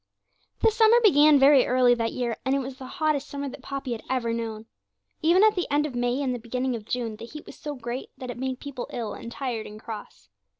The summer began very early that year, and it was the hottest summer that Poppy had ever known. Even at the end of May and the beginning of June the heat was so great that it made people ill and tired and cross.